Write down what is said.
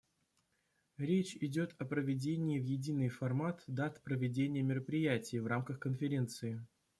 Речь идет о приведении в единый формат дат проведения мероприятий в рамках Конференции.